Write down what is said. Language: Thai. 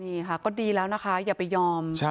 นี่ค่ะก็ดีแล้วนะคะอย่าไปยอม